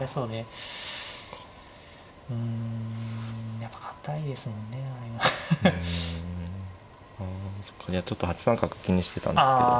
いやちょっと８三角気にしてたんですけど。